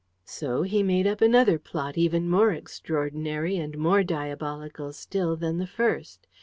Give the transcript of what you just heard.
So he made up another plot even more extraordinary and more diabolical still than the first.